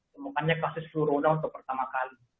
temukannya kasus flurona untuk pertama kali